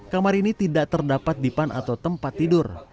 kamar ini tidak terdapat dipan atau tempat tidur